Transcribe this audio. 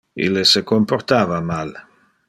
Ille se comportava mal.